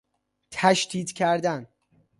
تشدید کردن